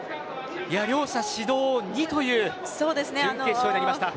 両者、指導２という準決勝になりました。